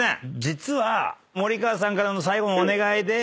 実は森川さんから最後のお願いで。